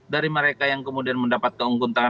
dari mereka yang kemudian mendapat keunggun tangan